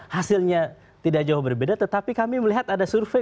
hasilnya tidak jauh berbeda tetapi kami melihat ada survei